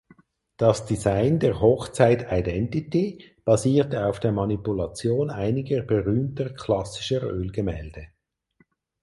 Das Design der Hochzeit "Identity" basierte auf der Manipulation einiger berühmter klassischer Ölgemälde.